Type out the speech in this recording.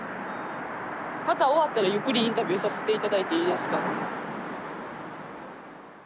また終わったらゆっくりインタビューさせて頂いていいですか？